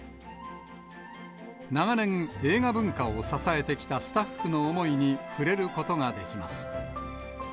長年、映画文化を支えてきたスタッフの思いに触れることができます。